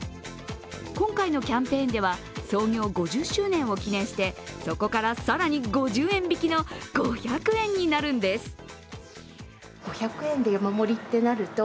今回のキャンペーンでは創業５０周年を記念して、そこから更に５０円引きの５００円になるんです。